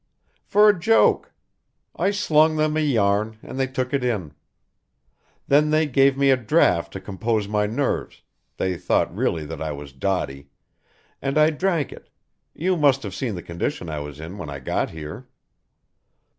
"For a joke. I slung them a yarn and they took it in. Then they gave me a draught to compose my nerves, they thought really that I was dotty, and I drank it you must have seen the condition I was in when I got here."